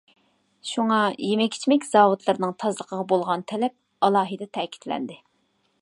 شۇڭا، يېمەك-ئىچمەك زاۋۇتلىرىنىڭ تازىلىقىغا بولغان تەلەپ ئالاھىدە تەكىتلەندى.